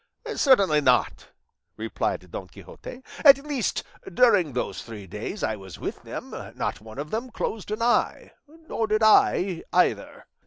"Certainly not," replied Don Quixote; "at least, during those three days I was with them not one of them closed an eye, nor did I either."